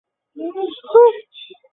传统上它是一个并系群的分类。